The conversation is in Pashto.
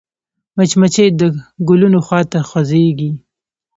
مچمچۍ د ګلونو خوا ته خوځېږي